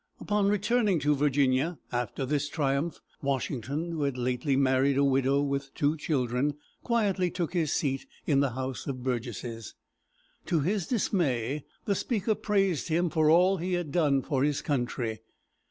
Upon returning to Virginia after this triumph, Washington, who had lately married a widow with two children, quietly took his seat in the House of Burgesses. To his dismay, the Speaker praised him for all he had done for his country.